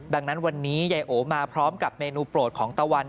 ดังนั้นวันนี้ยายโอมาพร้อมกับเมนูโปรดของตะวัน